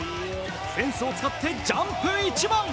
フェンスを使ってジャンプ一番。